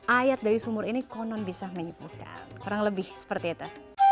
ayat dari sumur ini konon bisa menyebutkan kurang lebih seperti itu